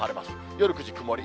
夜９時、曇り。